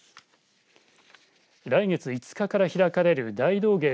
来月５日から開かれる大道芸